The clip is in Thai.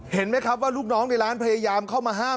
เห็นไหมครับว่าลูกน้องในร้านพยายามเข้ามาห้าม